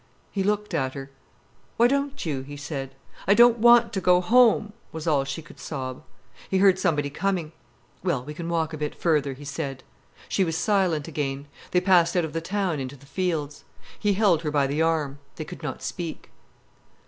He looked at her. "Why don't you?" he said. "I don't want to go home," was all she could sob. He heard somebody coming. "Well, we can walk a bit further," he said. She was silent again. They passed out of the town into the fields. He held her by the arm—they could not speak.